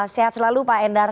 sehat selalu pak endar